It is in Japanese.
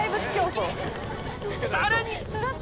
さらに！